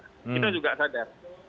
kita juga sadar